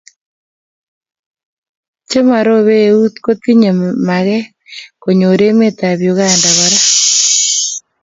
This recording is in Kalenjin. chemarobei eut ko kitinye maget konyor emet ab uganda kora